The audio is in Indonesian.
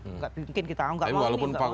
enggak mungkin kita enggak mau ini enggak mau ini